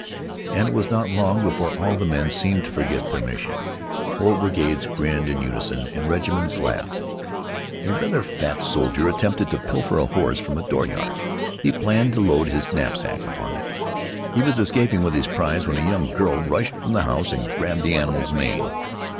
And it was not long before all the men seemed to forget their mission. Whole brigades grinned in unison, and regiments laughed. A rather fat soldier attempted to pilfer a horse from a dooryard. He planned to load his knap sack upon it. He was escaping with his prize when a young girl rushed from the house and grabbed the animal's mane.